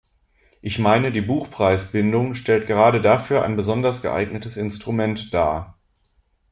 Ich meine, die Buchpreisbindung stellt gerade dafür ein besonders geeignetes Instrument dar.